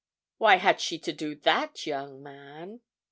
Why had she to do that, young man?"